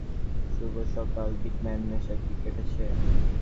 শুভ সকাল, big man নেশা কি কেটেছে?